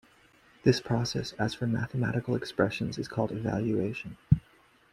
This process, as for mathematical expressions, is called evaluation.